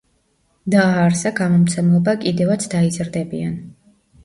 დააარსა გამომცემლობა „კიდევაც დაიზრდებიან“.